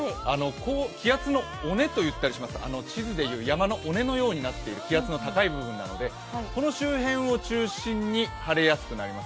気圧の尾根と言ったりします、地図でいう、山の尾根のようになっている気圧の高い部分なのでこの周辺を中心に晴れやすくなります。